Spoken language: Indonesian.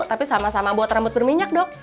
tapi sama sama buat rambut berminyak dok